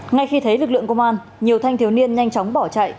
ngay khi thấy lực lượng công an nhiều thanh thiếu niên nhanh chóng bỏ chạy